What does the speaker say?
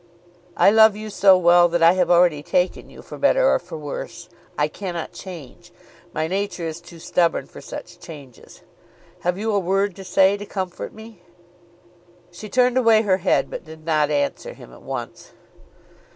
I love you so well that I have already taken you for better or for worse. I cannot change. My nature is too stubborn for such changes. Have you a word to say to comfort me?" She turned away her head, but did not answer him at once.